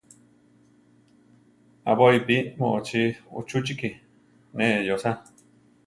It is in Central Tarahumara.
Aʼbóipi moʼochí uchúchiki neʼé yóosa.